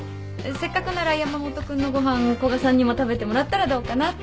せっかくなら山本君のご飯古賀さんにも食べてもらったらどうかなって。